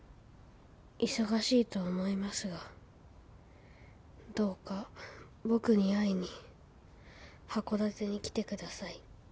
「忙しいと思いますがどうか僕に会いに函館に来てください」